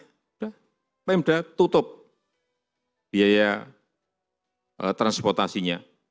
sudah pemda tutup biaya transportasinya